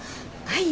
はい。